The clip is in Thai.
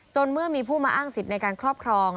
เมื่อมีผู้มาอ้างสิทธิ์ในการครอบครอง